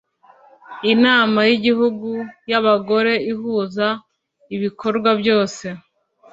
Inama y Igihugu y Abagore ihuza ibikorwa byose